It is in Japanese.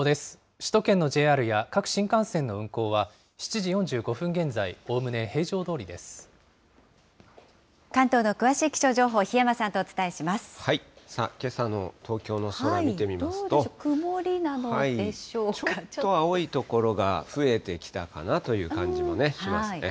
首都圏のＪＲや各新幹線の運行は、７時４５分現在、関東の詳しい気象情報、檜山さあ、どうでしょう、曇りなのでしちょっと青い所が増えてきたかなという感じもね、しますね。